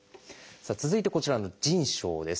続いてこちらの腎症です。